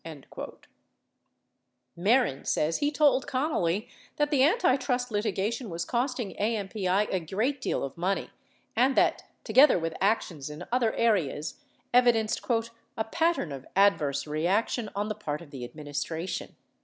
92 Mehren says he told Connally that the antitrust litigation was costing AMPI a great deal of money and that, together with actions in other areas, evidenced "a pattern of adverse reaction on the part of the administration."